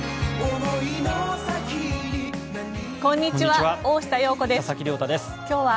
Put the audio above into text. こんにちは。